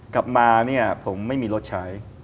กลับมาผมไม่มีรถใช้